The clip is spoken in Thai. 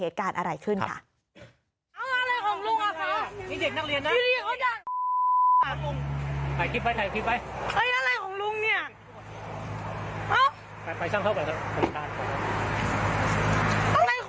เอ้าอะไรของมึงว่ะเนี่ย